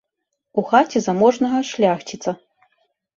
У хаце заможнага шляхціца.